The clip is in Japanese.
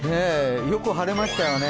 よく晴れましたよね。